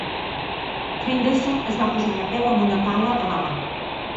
Henderson es va posar de peu amb una pala a la mà.